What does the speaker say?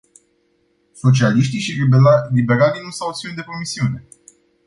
Socialiștii și liberalii nu s-au ținut de promisiune.